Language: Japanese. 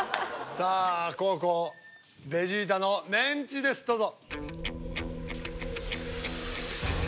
さあ後攻ベジータのメンチですどうぞ。